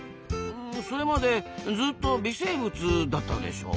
それまでずっと微生物だったんでしょ？